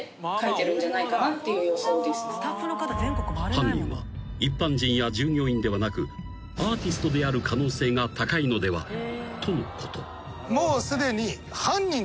［犯人は一般人や従業員ではなくアーティストである可能性が高いのではとのこと］